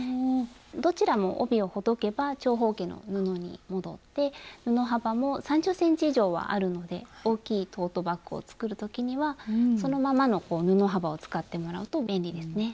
どちらも帯をほどけば長方形の布に戻って布幅も３０ｃｍ以上はあるので大きいトートバッグを作る時にはそのままの布幅を使ってもらうと便利ですね。